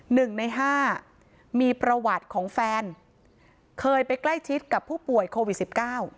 หนึ่งในห้ามีประวัติของแฟนเคยไปใกล้ชิดกับผู้ป่วยโควิดสิบเก้า